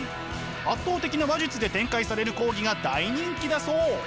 圧倒的な話術で展開される講義が大人気だそう。